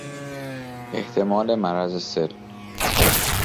احتمال مرض سل